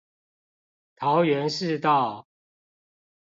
桃園市道